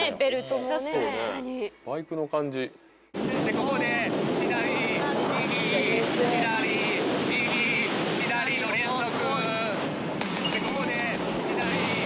・ここで左右左右左の連続。